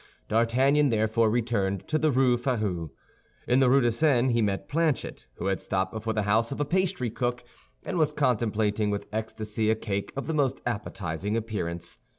D'Artagnan therefore returned to the Rue Férou. In the Rue de Seine he met Planchet, who had stopped before the house of a pastry cook, and was contemplating with ecstasy a cake of the most appetizing appearance.